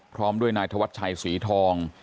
พร้อมด้วยนายธวัชชัยศรีทอง